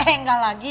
he enggak lagi